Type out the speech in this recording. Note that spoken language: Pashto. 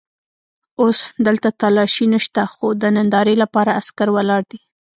اوس دلته تالاشۍ نشته خو د نندارې لپاره عسکر ولاړ دي.